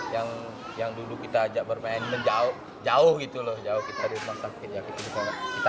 yang dulu kita ajak bermain menjauh jauh gitu loh jauh kita di rumah sakit ya kita